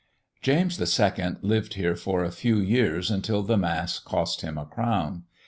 James II. lived here for a few years, until the mass cost him a crown.